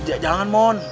eh jangan mon